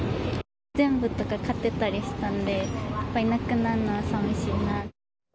全部とか買ってたりしたんで、やっぱりなくなるのはさみしいな。